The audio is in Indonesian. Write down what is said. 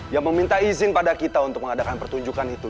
yang meminta izin pada kita untuk mengadakan pertunjukan itu